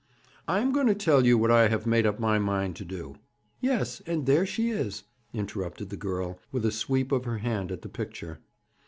'I am going to tell you what I have made up my mind to do.' 'Yes, and there she is,' interrupted the girl, with a sweep of her hand at the picture.